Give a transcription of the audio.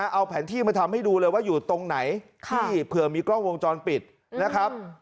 เอาแผนที่มาทำให้ดูเลยว่าอยู่ตรงไหนที่เผื่อมีกล้องวงจรปิดนะครับ